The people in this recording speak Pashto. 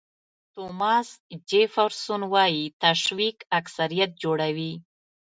توماس جیفرسون وایي تشویق اکثریت جوړوي.